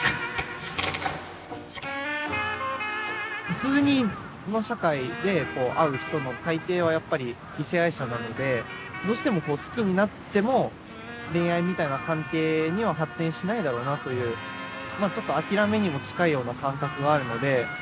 普通の社会で会う人の大抵はやっぱり異性愛者なのでどうしてもこう好きになっても恋愛みたいな関係には発展しないだろうなというまあちょっと諦めにも近いような感覚があるので。